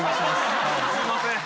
すいません。